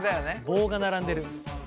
棒が並んでる。